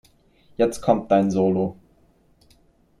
Jetzt kommt dein Solo.